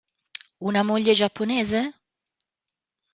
Una moglie giapponese?